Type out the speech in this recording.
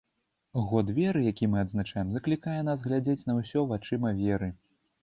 Год веры, які мы адзначаем, заклікае нас глядзець на ўсё вачыма веры.